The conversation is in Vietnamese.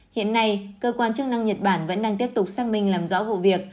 hiện nay cơ quan chức năng nhật bản vẫn đang tiếp tục xác minh làm rõ vụ việc